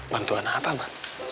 bantuan apa ma